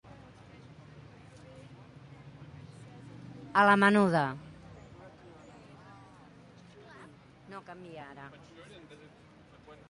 A la menuda.